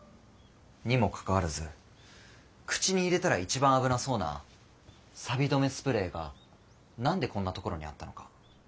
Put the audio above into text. にもかかわらず口に入れたら一番危なそうなサビ止めスプレーが何でこんなところにあったのか。